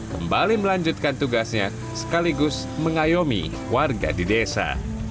kembali melanjutkan tugasnya sekaligus mengayomi warga di desa